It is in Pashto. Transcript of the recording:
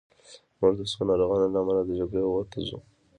موږ د څو ناروغانو له امله د جګړې اور ته ځو